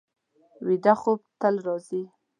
ویده خوب تل راځي